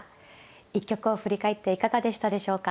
一局を振り返っていかがでしたでしょうか。